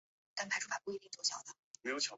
汕头市有人员死亡报导。